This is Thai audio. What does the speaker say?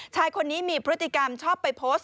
ชายคนนี้มีพฤติกรรมชอบไปโพสต์